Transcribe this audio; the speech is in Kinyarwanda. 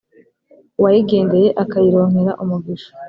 uwayigendeye akayironkera umugisha.